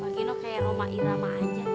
pak gino kayak roma irama aja